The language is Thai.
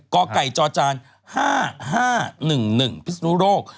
กจ๕๕๑๑พิสูจนุโรค